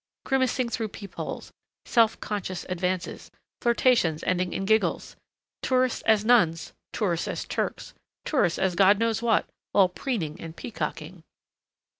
Grimacing through peep holes, self conscious advances, flirtations ending in giggles! Tourists as nuns, tourists as Turks, tourists as God knows what, all preening and peacocking!